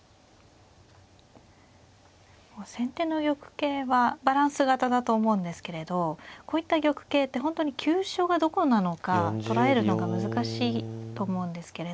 先手の玉形はバランス型だと思うんですけれどこういった玉形って本当に急所がどこなのか捉えるのが難しいと思うんですけれども。